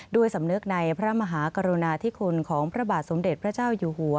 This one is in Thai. ด้วยสำนึกในพระมหากรุณาธิคุณของพระบาทสมเด็จพระเจ้าอยู่หัว